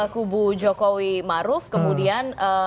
kubu jokowi maruf kemudian